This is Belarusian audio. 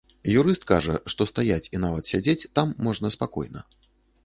Юрыст кажа, што стаяць і нават сядзець там можна спакойна.